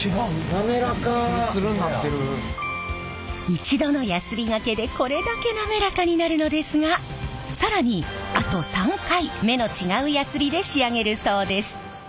一度のやすりがけでこれだけ滑らかになるのですが更にあと３回目の違うやすりで仕上げるそうです。